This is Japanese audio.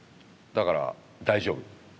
だから大丈夫。